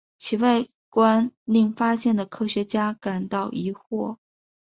其外观令发现的科学家感到疑惑。